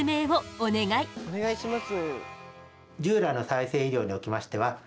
お願いします。